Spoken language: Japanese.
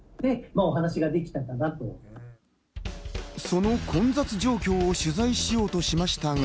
その混雑状況を取材しようとしましたが。